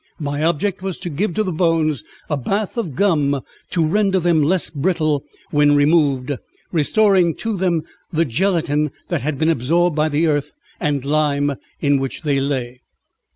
My object was to give to the bones a bath of gum to render them less brittle when removed, restoring to them the gelatine that had been absorbed by the earth and lime in which they lay.